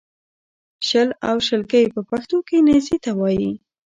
شل او شلګی په پښتو کې نېزې ته وایې